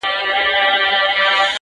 رسنۍ او پوليس صحنه ننداره کوي،